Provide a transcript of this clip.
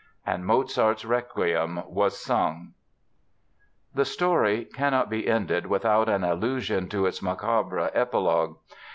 And Mozart's Requiem was sung. The story cannot be ended without an allusion to its macabre epilogue.